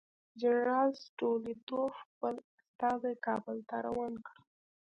جنرال ستولیتوف خپل استازی کابل ته روان کړ.